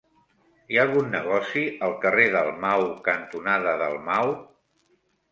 Hi ha algun negoci al carrer Dalmau cantonada Dalmau?